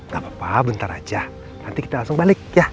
gak apa apa bentar aja nanti kita langsung balik ya